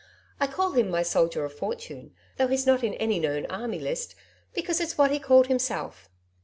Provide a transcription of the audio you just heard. I call him my Soldier of Fortune though he's not in any known Army list, because it's what he called himself.